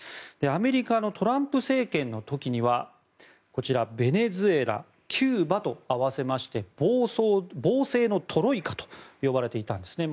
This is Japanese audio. アメリカのトランプ政権の時にはベネズエラ、キューバと併せて暴政のトロイカと呼ばれていたんですね。